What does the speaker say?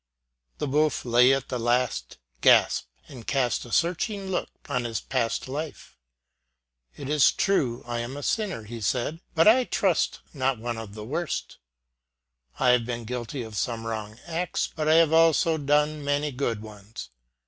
The wolf lay at the last gasp, and cast a searching look on his past life. ^ It is true I am a sinner," he said, ^' but I trust not one of the worst. I have been guilty of some wrong acts, but I have also done many good ones.